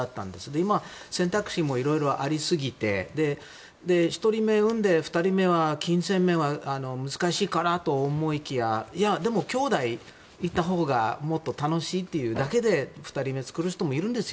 今、選択肢もいろいろありすぎて１人目産んで、２人目は金銭面は難しいからと思いきやでも、兄弟がいたほうがもっと楽しいというだけで２人目を作る人もいるんですよ。